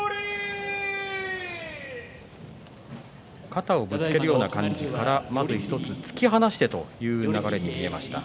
肩をぶつけるような感じからまず１つ突き放してという流れに見えました。